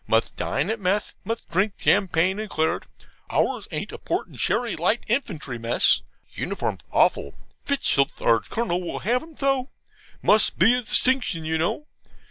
Must dine at mess. Must drink champagne and claret. Ours ain't a port and sherry light infantry mess. Uniform's awful. Fitzstultz, our Colonel, will have 'em so. Must be a distinction you know.